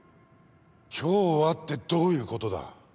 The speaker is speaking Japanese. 「今日は」ってどういう事だ？